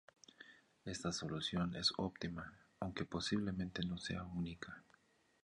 Esta solución es óptima, aunque posiblemente no sea única.